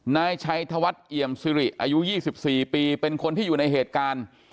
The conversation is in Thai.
นายชัยธวัฒน์เอี่ยมซิริอายุ๒๔ปีเป็นคนที่อยู่ในเหตุการณ์